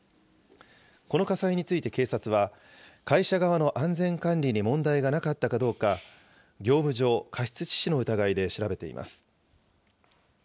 この火災について警察は、会社側の安全管理に問題がなかったかどうか、業務上過失致死の疑いで調べています。